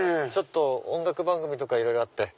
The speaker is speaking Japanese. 音楽番組とかいろいろあって。